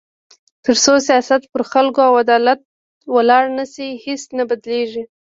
تر څو سیاست پر خلکو او عدالت ولاړ نه شي، هیڅ نه بدلېږي.